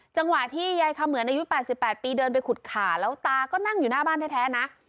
จังหวะที่ยายคำเหมือนอายุ๘๘ปีเดินไปขุดขาแล้วตาก็นั่งอยู่หน้าบ้านแท้นะ